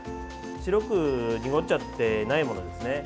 白く濁っていないものですね。